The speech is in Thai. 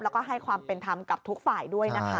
แล้วก็ให้ความเป็นธรรมกับทุกฝ่ายด้วยนะคะ